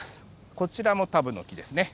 こちらもタブノキですね。